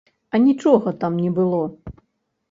А нічога там не было!